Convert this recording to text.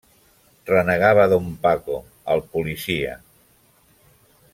Renegava don Paco, el policia.